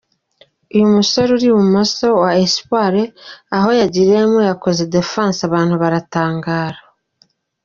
Uyu musore uri ibumoso wa Espoir, aho yagiriyemo yakoze ‘defense’ abantu baratangara.